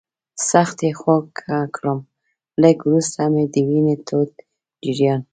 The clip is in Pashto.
سخت یې خوږ کړم، لږ وروسته مې د وینې تود جریان.